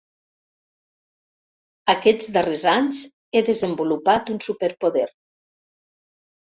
Aquests darrers anys he desenvolupat un superpoder.